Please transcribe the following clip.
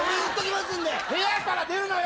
部屋から出るなよ。